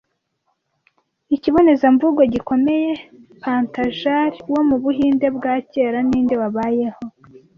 Ikibonezamvugo gikomeye Patanjali wo mu Buhinde bwa kera ninde wabayeho